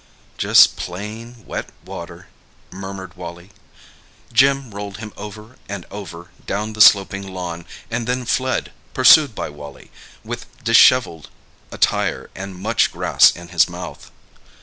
"Just plain, wet water," murmured Wally. Jim rolled him over and over down the sloping lawn, and then fled, pursued by Wally with dishevelled attire and much grass in his mouth.